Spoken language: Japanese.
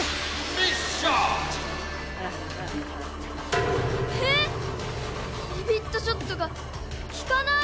ビビッとショットが効かない！？